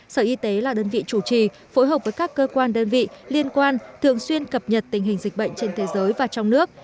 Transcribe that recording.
sở y tế là đơn vị chủ trì phối hợp với các cơ quan đơn vị liên quan thường xuyên cập nhật tình hình dịch bệnh trên thế giới và trong nước